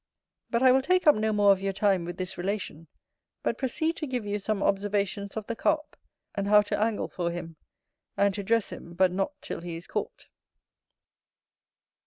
But I will take up no more of your time with this relation, but proceed to give you some Observations of the Carp, and how to angle for him; and to dress him but not till he is caught.